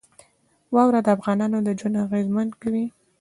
واوره د افغانانو ژوند اغېزمن کوي.